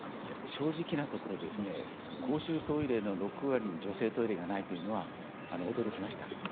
正直なところ公衆トイレの６割に女性トイレがないというのは驚きました。